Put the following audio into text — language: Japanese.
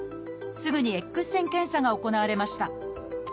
すぐにＸ線検査が行われました。